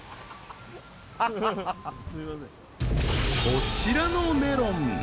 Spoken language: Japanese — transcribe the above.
［こちらのメロン。